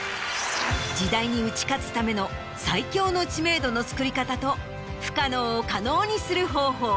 時代に打ち勝つための最強の知名度の作り方と不可能を可能にする方法。